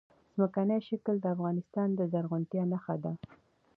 ځمکنی شکل د افغانستان د زرغونتیا نښه ده.